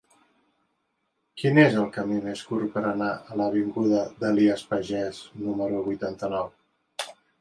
Quin és el camí més curt per anar a l'avinguda d'Elies Pagès número vuitanta-nou?